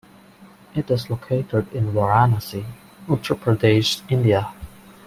It is located in Varanasi, Uttar Pradesh, India.